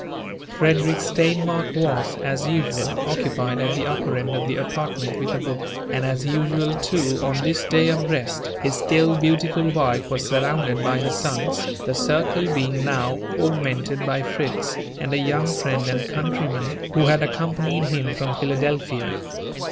Frederick Steinmark was, as usual, occupied at the upper end^of the apartment with a book ; and, as usual too on this day of rest, his still beautiful wife was surrounded by her sons ; the circle being now aug mented by Fritz, and a youog friend and countryman, who had accom panied him from Philadelphia.